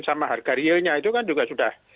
sama harga realnya itu kan juga sudah